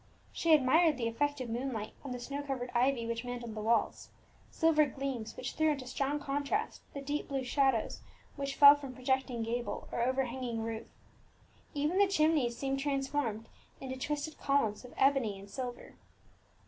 She admired the effect of moonlight on the snow covered ivy which mantled the walls silver gleams which threw into strong contrast the deep black shadows which fell from projecting gable or overhanging roof. Even the chimneys seemed transformed into twisted columns of ebony and silver.